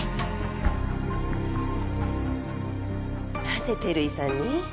なぜ照井さんに？